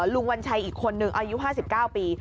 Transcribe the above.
ลุงวันชัยอีกคนนึงอายุห้าสิบเก้าปี